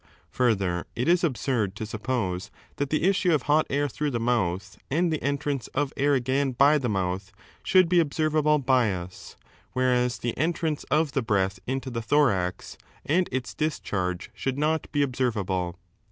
Further, it is absurd to suppose that the issue of hot 5 air through the mouth and the entrance of air again by the mouth should be observable by us, whereas the entrance of the breath into the thorax and its discharge should not be observable.